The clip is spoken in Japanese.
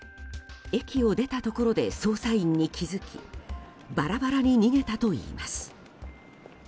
駅を出たところで捜査員に気づきばらばらに逃げたといいます。